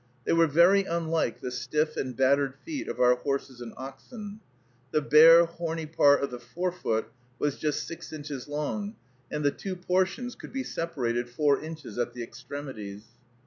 They were very unlike the stiff and battered feet of our horses and oxen. The bare, horny part of the fore foot was just six inches long, and the two portions could be separated four inches at the extremities.